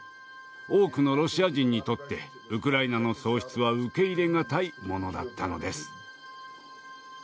多くのロシア人にとってウクライナの喪失は受け入れ難いものだったのです。